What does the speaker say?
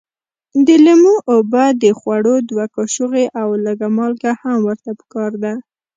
د لیمو اوبه د خوړو دوه کاشوغې او لږ مالګه هم ورته پکار ده.